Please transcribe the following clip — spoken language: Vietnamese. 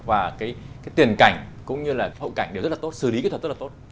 và cái tiền cảnh cũng như là hậu cảnh đều rất là tốt xử lý kỹ thuật rất là tốt